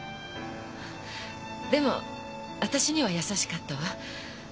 でも私には優しかったわ。